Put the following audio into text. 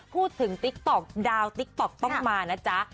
ติ๊กต๊อกดาวติ๊กต๊อกต้องมานะจ๊ะ